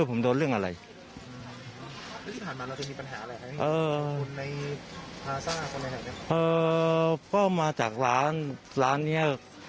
เพราะว่ามาจากร้านร้านนี้